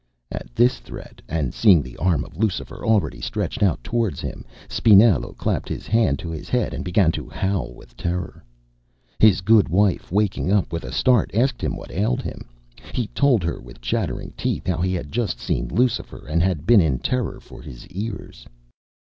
At this threat, and seeing the arm of Lucifer already stretched out towards him, Spinello clapped his hand to his head and began to howl with terror. His good wife, waking up with a start, asked him what ailed him. He told her with chattering teeth, how he had just seen Lucifer and had been in terror for his ears.